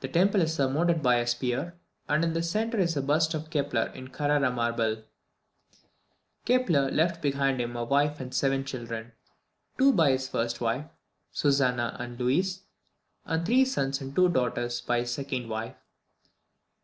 The temple is surmounted by a sphere, and in the centre is a bust of Kepler in Carrara marble. Kepler left behind him a wife and seven children two by his first wife, Susanna and Louis; and three sons and two daughters by his second wife, viz.